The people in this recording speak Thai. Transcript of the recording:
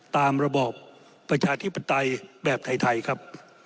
ระบอบประชาธิปไตยแบบไทยครับ